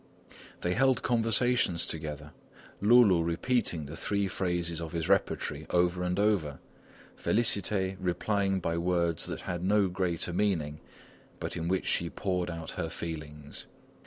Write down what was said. They held conversations together, Loulou repeating the three phrases of his repertory over and over, Félicité replying by words that had no greater meaning, but in which she poured out her feelings.